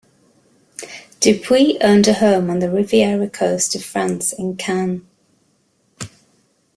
Dupuy owned a home on the Riviera coast of France in Cannes.